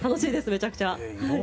めちゃくちゃ。